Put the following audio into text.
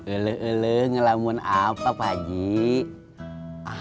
eleh eleh ngelamun apa pak cik